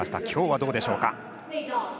きょうはどうでしょうか。